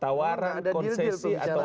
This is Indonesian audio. tawaran konsesi atau